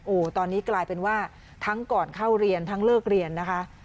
โอ้โหตอนนี้กลายเป็นว่าทั้งก่อนเข้าเรียนทั้งเลิกเรียนนะคะ